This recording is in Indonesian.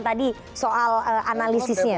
tadi soal analisisnya